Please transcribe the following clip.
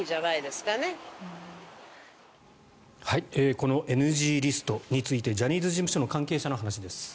このＮＧリストについてジャニーズ事務所の関係者の話です。